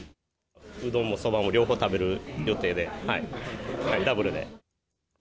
うどんもそばも両方食べる予定で、ダブルで。